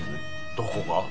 どこが？